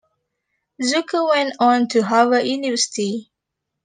Zucker went on to Harvard University.